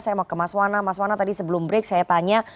saya mau ke mas wana mas wana tadi sebelum break saya tanya